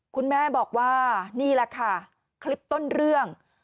คุณแม่บอกว่านี่แหละค่ะคลิปต้นเรื่อง